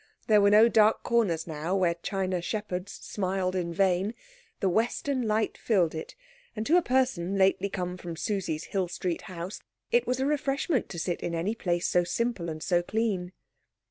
There were no dark corners now where china shepherds smiled in vain; the western light filled it, and to a person lately come from Susie's Hill Street house, it was a refreshment to sit in any place so simple and so clean.